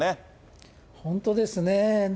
本当ですね。